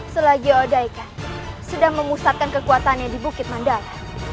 selagi odaika sedang memusatkan kekuatannya di bukit mandala